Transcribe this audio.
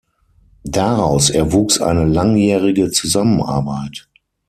Daraus erwuchs eine langjährige Zusammenarbeit.